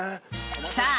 さあ